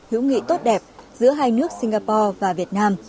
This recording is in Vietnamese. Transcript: hữu nghị tốt đẹp giữa hai nước singapore và việt nam